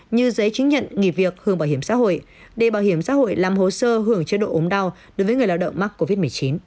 như giấy chứng nhận nghỉ việc hưởng bảo hiểm xã hội đề bảo hiểm xã hội làm hồ sơ hưởng chế độ ốm đau đối với người lao động mắc covid một mươi chín